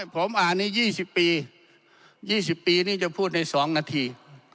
ผมอ่านในยี่สิบปียี่สิบปีนี่จะพูดในสองนาที